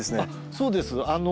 そうです。